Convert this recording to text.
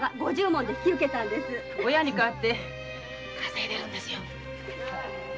親に代わって稼いでるんですよ。